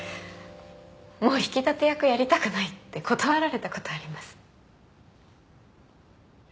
もう引き立て役やりたくないって断られたことあります。